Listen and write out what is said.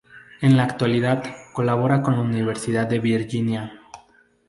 En la actualidad, colabora con la Universidad de Virginia.